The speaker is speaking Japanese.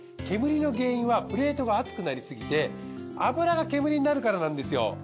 煙の原因はプレートが熱くなりすぎて脂が煙になるからなんですよ。